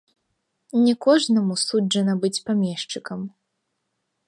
Не кожнаму суджана быць памешчыкам.